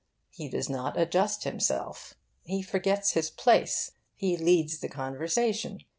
He does not adjust himself. He forgets his place. He leads the conversation.